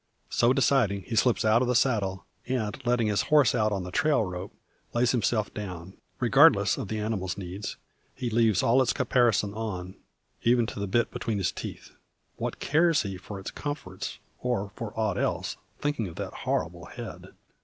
So deciding, he slips out of the saddle; and letting his horse out on the trail rope, lays himself down. Regardless of the animal's needs, he leaves all its caparison on, even to the bitt between its teeth. What cares he for its comforts, or for aught else, thinking of that horrible head?